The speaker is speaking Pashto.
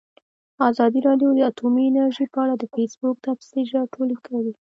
ازادي راډیو د اټومي انرژي په اړه د فیسبوک تبصرې راټولې کړي.